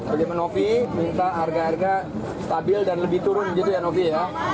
bagaimana novi minta harga harga stabil dan lebih turun gitu ya novi ya